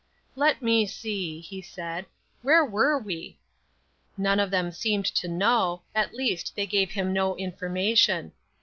"Let me see," he said, "where were we?" None of them seemed to know; at least they gave him no information.